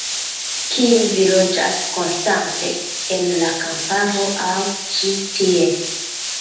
Kie vi loĝas konstante, en la kamparo aŭ ĉi tie?